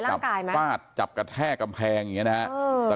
กระช่าข้อเสื้อจับฟาดจับกระแท่กำแพงอย่างนี้นะครับ